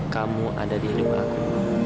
kamu ada di rumah aku